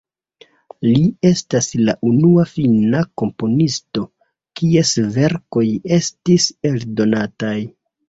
Li estas la unua finna komponisto, kies verkoj estis eldonataj.